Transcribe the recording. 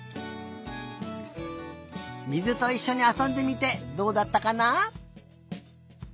水といっしょにあそんでみてどうだったかな？